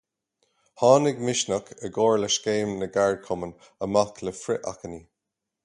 Tháinig Misneach, i gcomhar le Scéim na gCeardchumann, amach le frith-achainí.